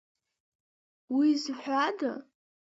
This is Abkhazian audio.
Уи зҳәада?